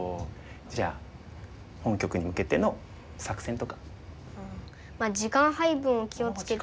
じゃあ本局に向けての作戦とか。